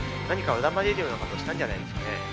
何か恨まれるようなことしたんじゃないですかね。